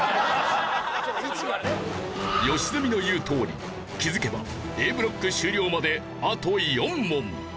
良純の言うとおり気づけばＡブロック終了まであと４問。